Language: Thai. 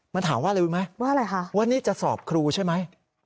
มันถามว่าอะไรมั้ยคะว่านี่จะสอบครูใช่ไหม